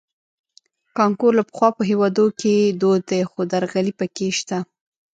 کانکور له پخوا په هېواد کې دود دی خو درغلۍ پکې شته